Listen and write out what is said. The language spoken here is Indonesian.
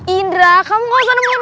indra kamu gak usah nopok nopok